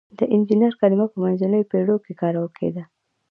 د انجینر کلمه په منځنیو پیړیو کې کارول کیده.